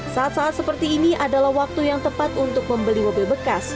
saat saat seperti ini adalah waktu yang tepat untuk membeli mobil bekas